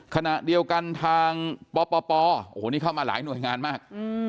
ขณะเดียวกันทางปปโอ้โหนี่เข้ามาหลายหน่วยงานมาก